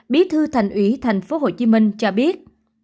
bí thư thành ủy tp hcm cho biết